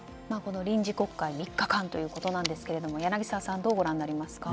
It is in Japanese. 臨時国会３日間ということなんですが柳澤さん、どうご覧になりますか？